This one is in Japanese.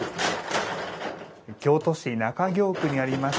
京都市中京区にあります